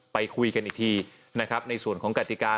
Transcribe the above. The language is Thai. ไปคุยกันอีกทีในส่วนของกติกา